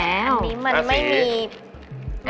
อันนี้มันไม่มี